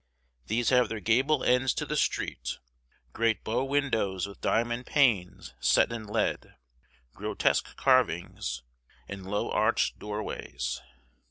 These have their gable ends to the street, great bow windows with diamond panes set in lead, grotesque carvings, and low arched doorways.